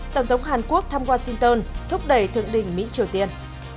tổng thống hàn quốc thăm washington thúc đẩy thượng đỉnh mỹ triều tiên